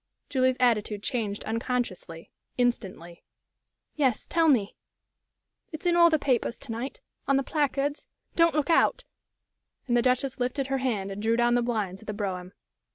Julie's attitude changed unconsciously instantly. "Yes; tell me!" "It's in all the papers to night on the placards don't look out!" And the Duchess lifted her hand and drew down the blinds of the brougham.